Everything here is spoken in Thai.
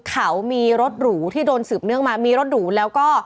เขามีรถหรูที่โดนสืบเนื่องมามีรถหรูแล้วก็